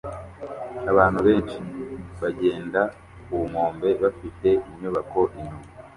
Abantu benshi bagenda ku nkombe bafite inyubako inyuma